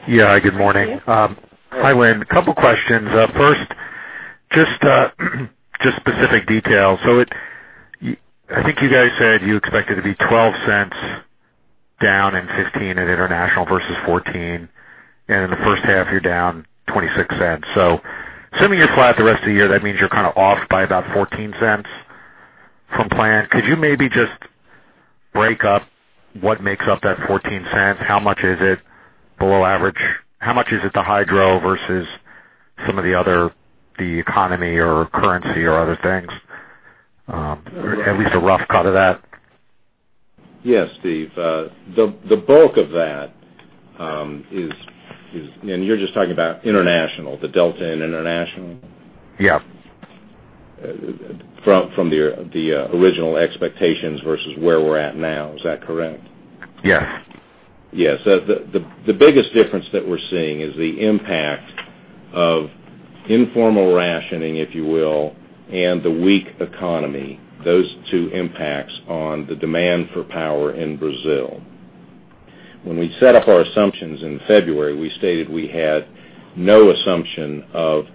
Yeah, good morning. Steve. Hi, Lynn. Couple questions. First, just specific details. I think you guys said you expected to be $0.12 down in 2015 at international versus 2014. In the first half, you're down $0.26. Assuming you're flat the rest of the year, that means you're off by about $0.14 from plan. Could you maybe just break up what makes up that $0.14? How much is it below average? How much is it the hydro versus some of the other, the economy or currency or other things? At least a rough cut of that. Yeah, Steve. The bulk of that is, and you're just talking about international, the delta in international? Yeah. From the original expectations versus where we're at now, is that correct? Yes. Yes. The biggest difference that we're seeing is the impact of informal rationing, if you will, and the weak economy, those two impacts on the demand for power in Brazil. When we set up our assumptions in February, we stated we had no assumption of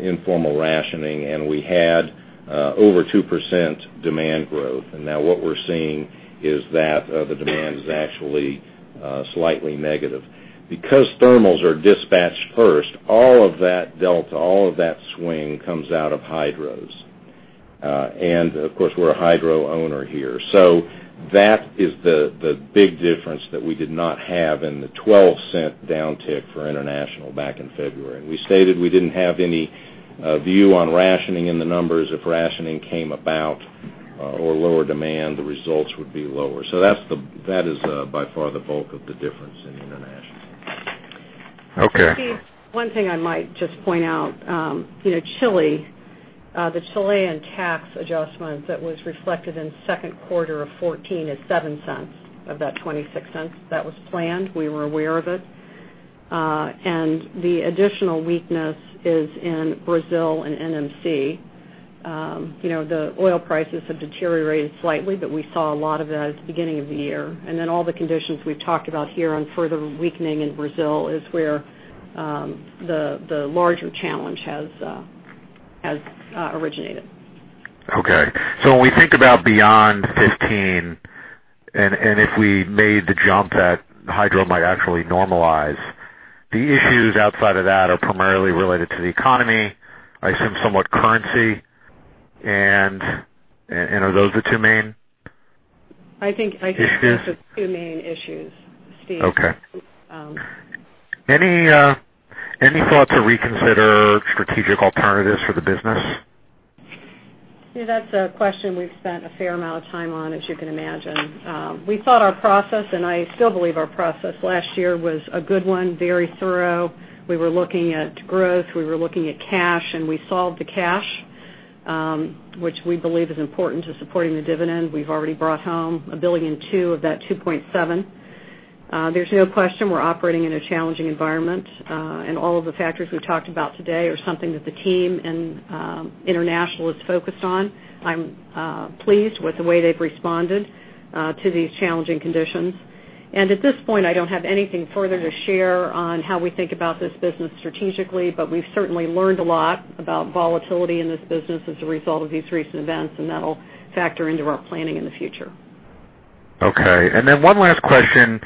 informal rationing, and we had over 2% demand growth. Now what we're seeing is that the demand is actually slightly negative. Because thermals are dispatched first, all of that delta, all of that swing comes out of hydros. Of course, we're a hydro owner here. That is the big difference that we did not have in the $0.12 downtick for international back in February. We stated we didn't have any view on rationing in the numbers. If rationing came about or lower demand, the results would be lower. That is by far the bulk of the difference in international. Okay. Steve, one thing I might just point out. Chile, the Chilean tax adjustment that was reflected in second quarter of 2014 is $0.07 of that $0.26. That was planned. We were aware of it. The additional weakness is in Brazil and NMC. The oil prices have deteriorated slightly, but we saw a lot of that at the beginning of the year. Then all the conditions we've talked about here on further weakening in Brazil is where the larger challenge has originated. Okay. When we think about beyond 2015, and if we made the jump that hydro might actually normalize, the issues outside of that are primarily related to the economy, I assume somewhat currency, and are those the two main- I think- issues? I think those are two main issues, Steve. Okay. Any thought to reconsider strategic alternatives for the business? Steve, that's a question we've spent a fair amount of time on, as you can imagine. We thought our process, I still believe our process last year was a good one, very thorough. We were looking at growth, we were looking at cash. We solved the cash, which we believe is important to supporting the dividend. We've already brought home $1.2 billion of that $2.7 billion. There's no question we're operating in a challenging environment. All of the factors we've talked about today are something that the team in international is focused on. I'm pleased with the way they've responded to these challenging conditions. At this point, I don't have anything further to share on how we think about this business strategically. We've certainly learned a lot about volatility in this business as a result of these recent events. That'll factor into our planning in the future. Okay. One last question,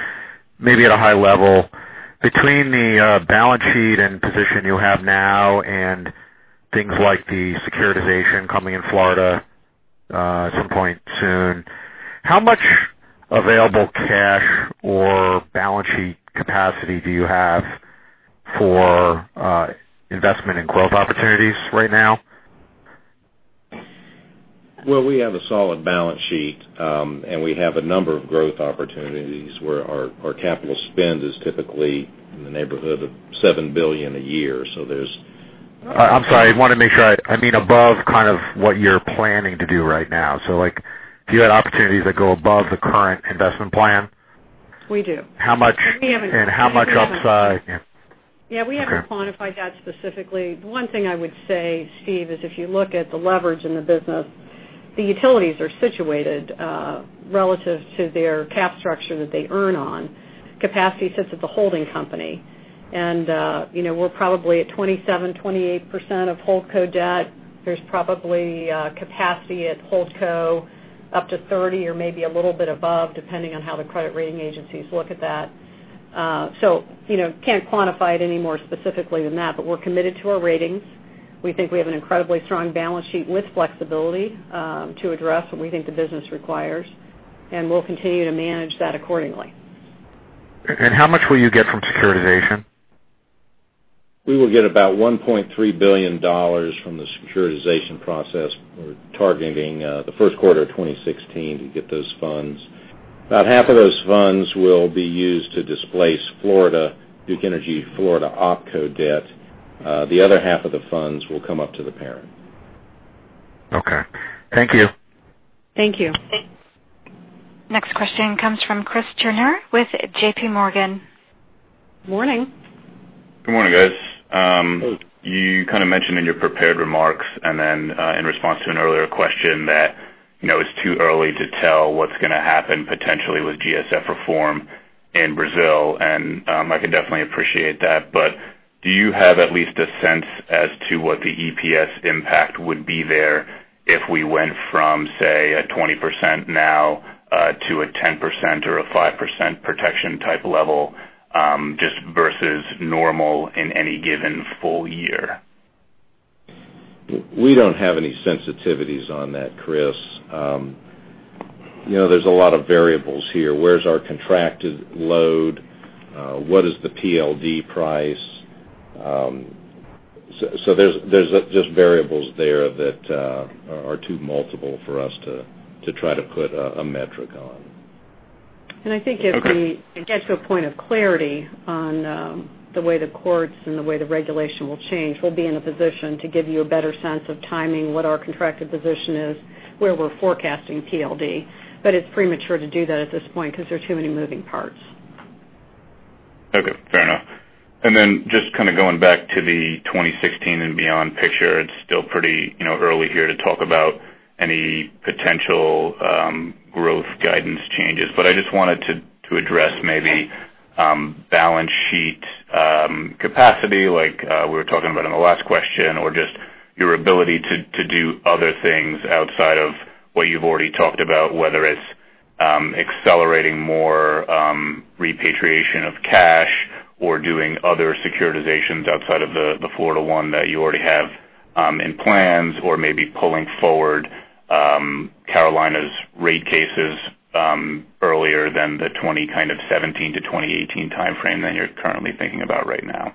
maybe at a high level. Between the balance sheet and position you have now and things like the securitization coming in Florida at some point soon, how much available cash or balance sheet capacity do you have for investment in growth opportunities right now? Well, we have a solid balance sheet, and we have a number of growth opportunities where our capital spend is typically in the neighborhood of $7 billion a year. I'm sorry. I want to make sure. I mean above kind of what you're planning to do right now. If you had opportunities that go above the current investment plan? We do. How much- We haven't- How much upside? Yeah, we haven't- Okay quantified that specifically. One thing I would say, Steve, is if you look at the leverage in the business, the utilities are situated relative to their cap structure that they earn on. Capacity sits at the holding company, and we're probably at 27%-28% of holdco debt. There's probably capacity at holdco up to 30% or maybe a little bit above, depending on how the credit rating agencies look at that. Can't quantify it any more specifically than that, but we're committed to our ratings. We think we have an incredibly strong balance sheet with flexibility to address what we think the business requires, and we'll continue to manage that accordingly. How much will you get from securitization? We will get about $1.3 billion from the securitization process. We're targeting the first quarter of 2016 to get those funds. About half of those funds will be used to displace Duke Energy Florida opco debt. The other half of the funds will come up to the parent. Okay. Thank you. Thank you. Next question comes from Chris Turner with JPMorgan. Morning. Good morning, guys. Hey. You kind of mentioned in your prepared remarks, and then in response to an earlier question that it's too early to tell what's going to happen potentially with GSF reform in Brazil. I can definitely appreciate that, but do you have at least a sense as to what the EPS impact would be there if we went from, say, a 20% now to a 10% or a 5% protection type level, just versus normal in any given full year? We don't have any sensitivities on that, Chris. There's a lot of variables here. Where's our contracted load? What is the PLD price? There's just variables there that are too multiple for us to try to put a metric on. I think if we get to a point of clarity on the way the courts and the way the regulation will change, we'll be in a position to give you a better sense of timing, what our contracted position is, where we're forecasting PLD. It's premature to do that at this point because there are too many moving parts. Okay, fair enough. Then just kind of going back to the 2016 and beyond picture, it's still pretty early here to talk about any potential growth guidance changes. I just wanted to address maybe balance sheet capacity like we were talking about in the last question or just your ability to do other things outside of what you've already talked about, whether it's accelerating more repatriation of cash or doing other securitizations outside of the Florida one that you already have in plans, or maybe pulling forward Carolinas rate cases earlier than the 2017 to 2018 timeframe that you're currently thinking about right now.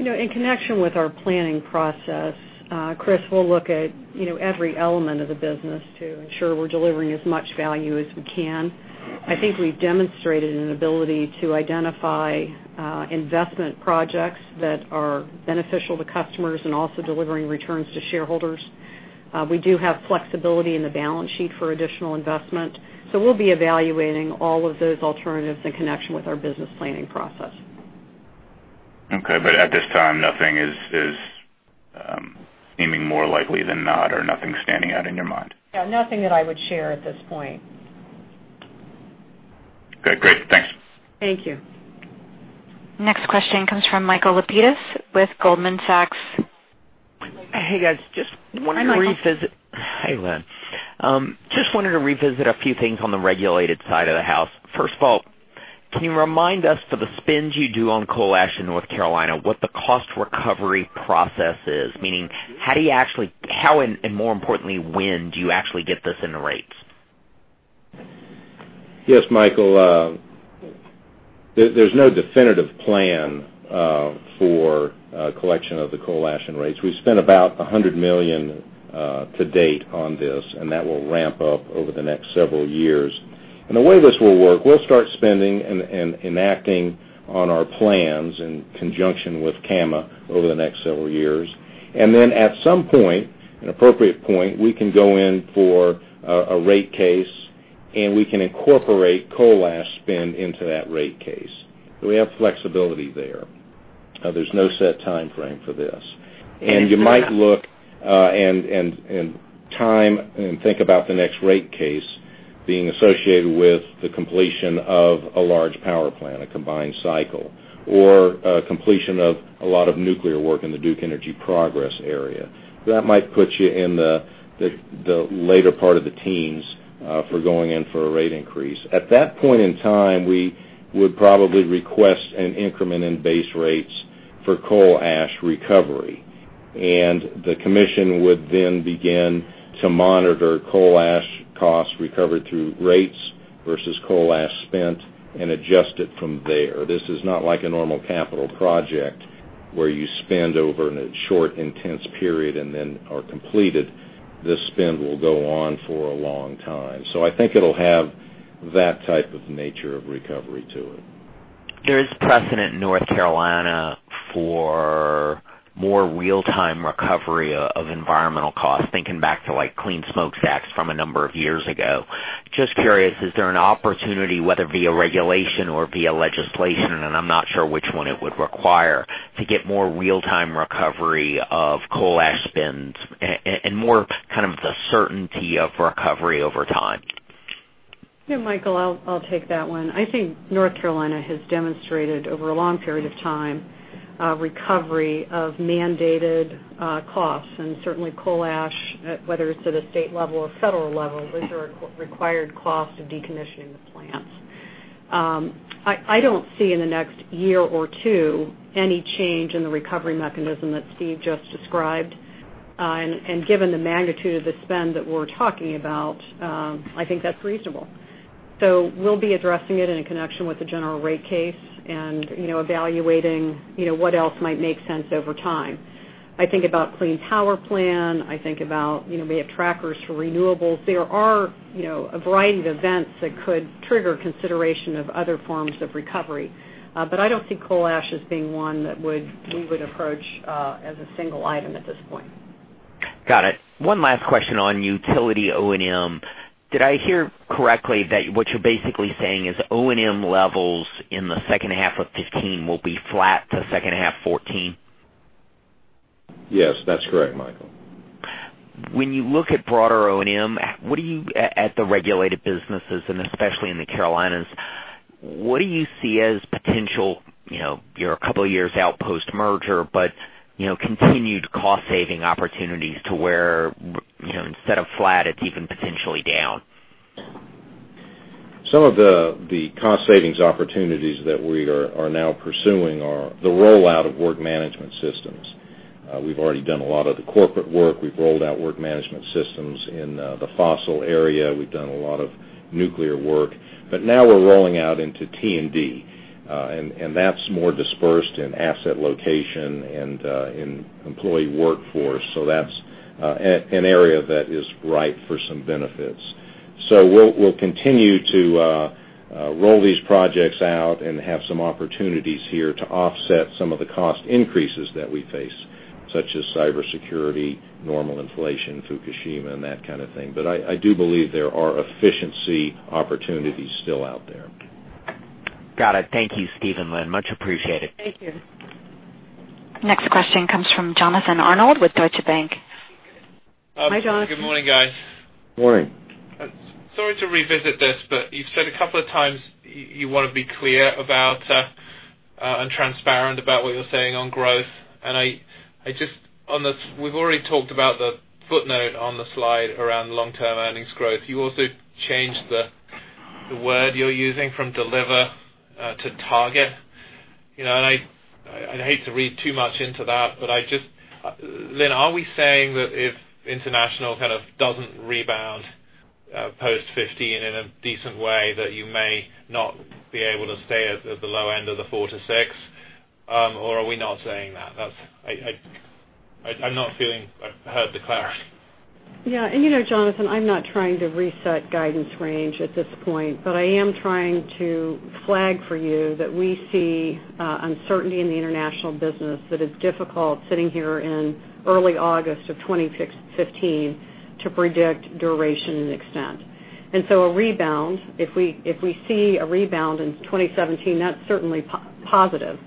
In connection with our planning process, Chris, we'll look at every element of the business to ensure we're delivering as much value as we can. I think we've demonstrated an ability to identify investment projects that are beneficial to customers and also delivering returns to shareholders. We do have flexibility in the balance sheet for additional investment. We'll be evaluating all of those alternatives in connection with our business planning process. Okay. At this time, nothing is seeming more likely than not or nothing standing out in your mind? Nothing that I would share at this point. Okay, great. Thanks. Thank you. Next question comes from Michael Lapides with Goldman Sachs. Hey, guys. Just wanted to revisit- Hi, Michael. Hi, Lynn. Just wanted to revisit a few things on the regulated side of the house. First of all, can you remind us for the spins you do on coal ash in North Carolina, what the cost recovery process is? Meaning, how and more importantly, when do you actually get this in the rates? Yes, Michael, there's no definitive plan for collection of the coal ash rates. We've spent about $100 million to date on this, and that will ramp up over the next several years. The way this will work, we'll start spending and enacting on our plans in conjunction with CAMA over the next several years. At some point, an appropriate point, we can go in for a rate case and we can incorporate coal ash spend into that rate case. We have flexibility there. There's no set timeframe for this. You might look and time and think about the next rate case being associated with the completion of a large power plant, a combined cycle, or a completion of a lot of nuclear work in the Duke Energy progress area. That might put you in the later part of the teens for going in for a rate increase. At that point in time, we would probably request an increment in base rates for coal ash recovery. The commission would then begin to monitor coal ash costs recovered through rates versus coal ash spent and adjust it from there. This is not like a normal capital project where you spend over in a short, intense period and then are completed. This spend will go on for a long time. I think it'll have that type of nature of recovery to it. There is precedent in North Carolina for more real-time recovery of environmental costs, thinking back to Clean Smokestacks Act from a number of years ago. Just curious, is there an opportunity, whether via regulation or via legislation, and I'm not sure which one it would require, to get more real-time recovery of coal ash spends and more kind of the certainty of recovery over time? Michael, I'll take that one. I think North Carolina has demonstrated over a long period of time, recovery of mandated costs. Certainly coal ash, whether it's at a state level or federal level, those are required costs of decommissioning the plants. I don't see in the next year or two any change in the recovery mechanism that Steve Young just described. Given the magnitude of the spend that we're talking about, I think that's reasonable. We'll be addressing it in connection with the general rate case and evaluating what else might make sense over time. I think about Clean Power Plan, I think about we have trackers for renewables. There are a variety of events that could trigger consideration of other forms of recovery. I don't see coal ash as being one that we would approach as a single item at this point. Got it. One last question on utility O&M. Did I hear correctly that what you're basically saying is O&M levels in the second half of 2015 will be flat to second half 2014? Yes, that's correct, Michael. When you look at broader O&M at the regulated businesses, especially in the Carolinas, what do you see as potential, you're a couple of years out post-merger, continued cost-saving opportunities to where instead of flat, it's even potentially down? Some of the cost savings opportunities that we are now pursuing are the rollout of work management systems. We've already done a lot of the corporate work. We've rolled out work management systems in the fossil area. We've done a lot of nuclear work. Now we're rolling out into T&D. That's more dispersed in asset location and in employee workforce. That's an area that is ripe for some benefits. We'll continue to roll these projects out and have some opportunities here to offset some of the cost increases that we face, such as cybersecurity, normal inflation, Fukushima, and that kind of thing. I do believe there are efficiency opportunities still out there. Got it. Thank you, Steve and Lynn. Much appreciated. Thank you. Next question comes from Jonathan Arnold with Deutsche Bank. Hi, Jonathan. Good morning, guys. Morning. Sorry to revisit this, you've said a couple of times you want to be clear about and transparent about what you're saying on growth. We've already talked about the footnote on the slide around long-term earnings growth. You also changed the word you're using from deliver to target. I hate to read too much into that, Lynn, are we saying that if international kind of doesn't rebound post 2015 in a decent way, that you may not be able to stay at the low end of the 4%-6%? Are we not saying that? I'm not feeling I heard the clarity. Yeah. You know, Jonathan, I'm not trying to reset guidance range at this point, I am trying to flag for you that we see uncertainty in the international business that is difficult sitting here in early August of 2015 to predict duration and extent. A rebound, if we see a rebound in 2017, that's certainly positive.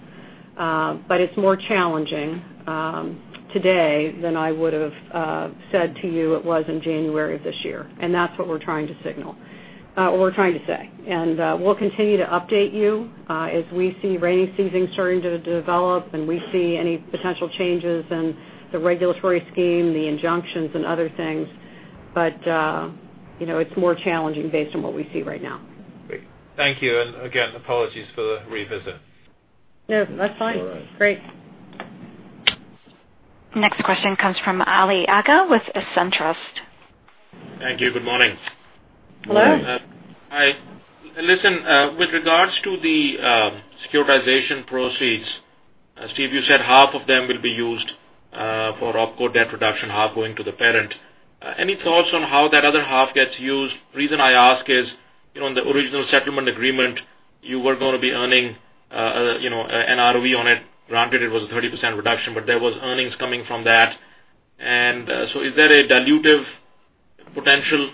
It's more challenging today than I would've said to you it was in January of this year, and that's what we're trying to signal or we're trying to say. We'll continue to update you, as we see rainy seasons starting to develop, and we see any potential changes in the regulatory scheme, the injunctions and other things. It's more challenging based on what we see right now. Great. Thank you. Again, apologies for the revisit. No, that's fine. It's all right. Great. Next question comes from Ali Agha with SunTrust. Thank you. Good morning. Hello. Hi. Listen, with regards to the securitization proceeds, Steve, you said half of them will be used for opco debt reduction, half going to the parent. Any thoughts on how that other half gets used? Reason I ask is, in the original settlement agreement, you were going to be earning an ROE on it. Granted, it was a 30% reduction, but there was earnings coming from that. Is there a dilutive potential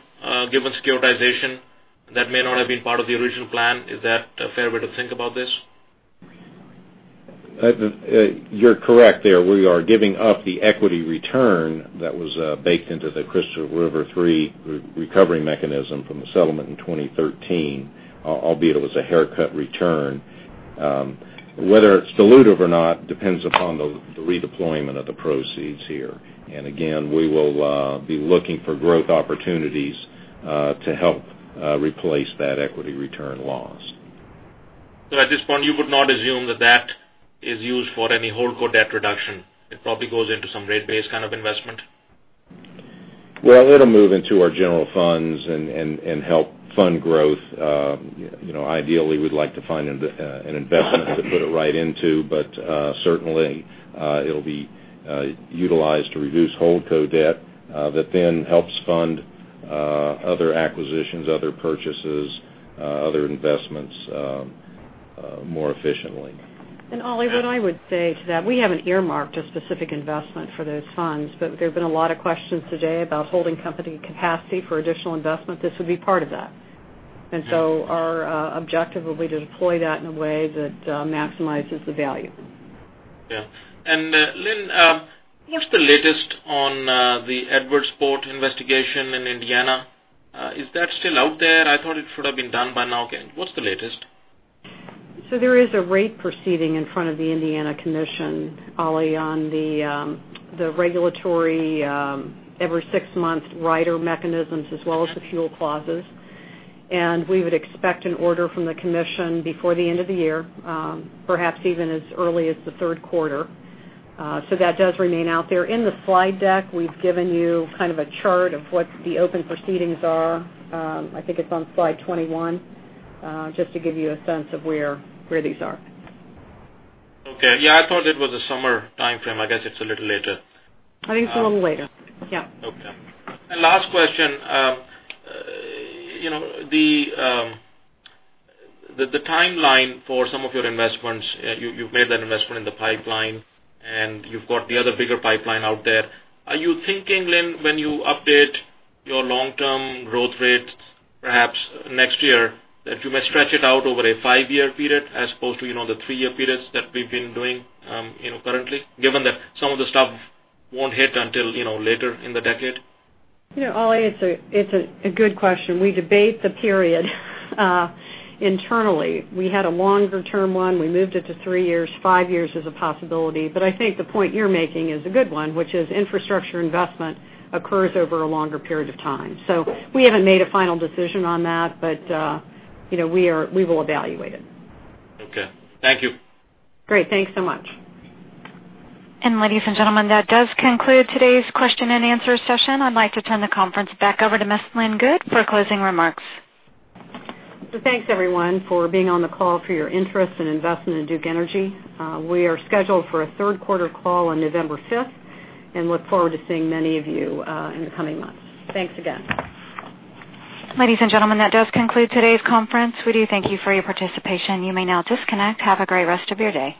given securitization that may not have been part of the original plan? Is that a fair way to think about this? You're correct there. We are giving up the equity return that was baked into the Crystal River Three recovery mechanism from the settlement in 2013, albeit it was a haircut return. Whether it's dilutive or not depends upon the redeployment of the proceeds here. Again, we will be looking for growth opportunities to help replace that equity return loss. At this point, you would not assume that that is used for any holdco debt reduction. It probably goes into some rate base kind of investment? Well, it'll move into our general funds and help fund growth. Ideally, we'd like to find an investment to put it right into. Certainly, it'll be utilized to reduce holdco debt, that then helps fund other acquisitions, other purchases, other investments more efficiently. Ali, what I would say to that, we haven't earmarked a specific investment for those funds, but there've been a lot of questions today about holding company capacity for additional investment. This would be part of that. Our objective will be to deploy that in a way that maximizes the value. Yeah. Lynn, what's the latest on the Edwardsport investigation in Indiana? Is that still out there? I thought it should've been done by now. What's the latest? There is a rate proceeding in front of the Indiana Commission, Ali, on the regulatory every six months rider mechanisms as well as the fuel clauses. We would expect an order from the commission before the end of the year, perhaps even as early as the third quarter. That does remain out there. In the slide deck, we've given you kind of a chart of what the open proceedings are. I think it's on slide 21, just to give you a sense of where these are. Okay. Yeah, I thought it was a summer timeframe. I guess it's a little later. I think it's a little later. Yeah. Okay. Last question. The timeline for some of your investments, you've made that investment in the pipeline, and you've got the other bigger pipeline out there. Are you thinking, Lynn, when you update your long-term growth rate perhaps next year, that you may stretch it out over a five-year period as opposed to the three-year periods that we've been doing currently, given that some of the stuff won't hit until later in the decade? Ali, it's a good question. We debate the period internally. We had a longer-term one. We moved it to three years. Five years is a possibility. I think the point you're making is a good one, which is infrastructure investment occurs over a longer period of time. We haven't made a final decision on that, but we will evaluate it. Okay. Thank you. Great. Thanks so much. Ladies and gentlemen, that does conclude today's question and answer session. I'd like to turn the conference back over to Ms. Lynn Good for closing remarks. Thanks, everyone, for being on the call, for your interest and investment in Duke Energy. We are scheduled for a third quarter call on November 5th, and look forward to seeing many of you in the coming months. Thanks again. Ladies and gentlemen, that does conclude today's conference. We do thank you for your participation. You may now disconnect. Have a great rest of your day.